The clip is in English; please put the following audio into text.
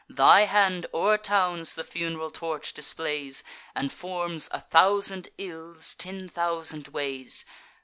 Thy hand o'er towns the fun'ral torch displays, And forms a thousand ills ten thousand ways.